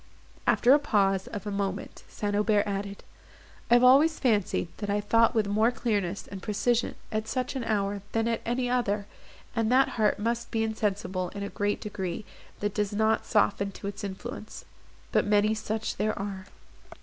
After the pause of a moment, St. Aubert added, "I have always fancied, that I thought with more clearness, and precision, at such an hour than at any other, and that heart must be insensible in a great degree, that does not soften to its influence. But many such there are."